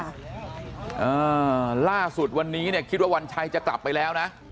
อ่าล่าสุดวันนี้เนี่ยคิดว่าวันชัยจะกลับไปแล้วนะ